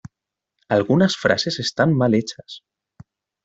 Algunas frases están mal hechas.